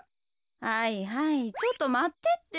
はいはいちょっとまってって。